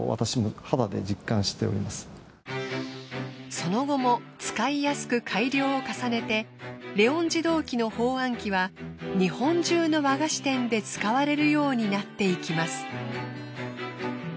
その後も使いやすく改良を重ねてレオン自動機の包あん機は日本中の和菓子店で使われるようになっていきます。